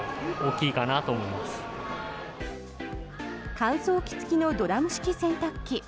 乾燥機付きのドラム式洗濯機。